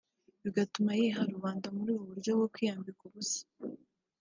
bigatuma yiha rubanda muri ubu buryo bwo kwiyambika ubusa